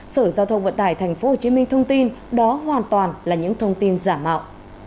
sở giao thông vận tải tp hcm thông tin đó hoàn toàn là những thông tin giả mạo